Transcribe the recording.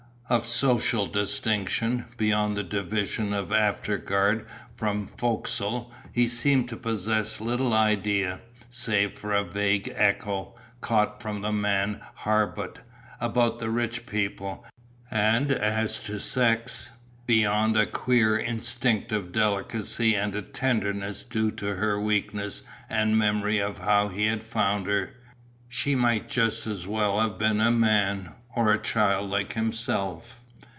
Of social distinction, beyond the division of afterguard from fo'c'sle, he seemed to possess little idea, save for a vague echo, caught from the man Harbutt, about the Rich People; and as to sex, beyond a queer instinctive delicacy and a tenderness due to her weakness and the memory of how he had found her, she might just as well have been a man, or a child like himself.